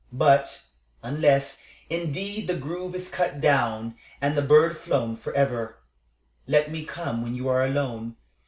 But unless, indeed, the grove is cut down and the bird flown forever let me come when you are alone.